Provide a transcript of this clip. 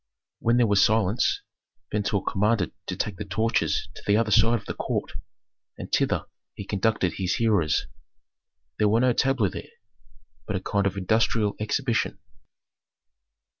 When there was silence, Pentuer commanded to take the torches to the other side of the court, and thither he conducted his hearers. There were no tableaux there, but a kind of industrial exhibition.